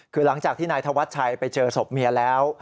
คือหลังจากที่นายธวัชชัยไปเจอศพเมียแล้ว